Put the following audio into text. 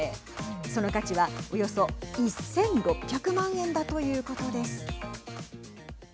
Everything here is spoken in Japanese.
その価値はおよそ１６００万円だということです。